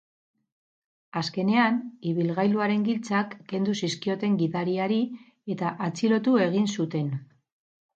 Azkenean, ibilgailuaren giltzak kendu zizkioten gidariari eta atxilotu egin zuten.